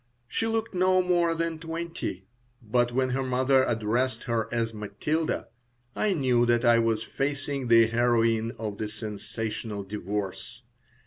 She looked no more than twenty, but when her mother addressed her as Matilda I knew that I was facing the heroine of the sensational divorce.